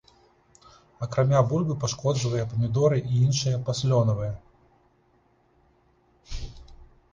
Акрамя бульбы, пашкоджвае памідоры і іншыя паслёнавыя.